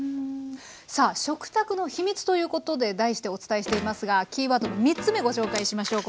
さあ「食卓の秘密」ということで題してお伝えしていますがキーワードの３つ目ご紹介しましょう